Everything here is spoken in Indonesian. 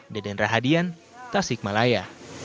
deden rahadian tasik malaya